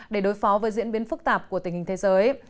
để đối phó với diễn biến phức tạp của tình hình thế giới